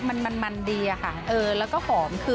มันมันมันดีและหอม